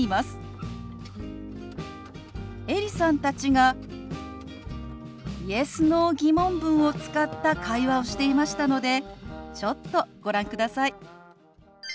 エリさんたちがＹｅｓ／Ｎｏ−疑問文を使った会話をしていましたのでちょっとご覧ください。